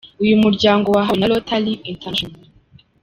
uyu muryango wahawe na Rotary International.